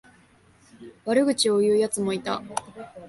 悪口を言うやつもいた。